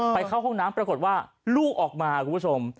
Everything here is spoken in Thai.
เข้าห้องน้ำปรากฏว่าลูกออกมาคุณผู้ชม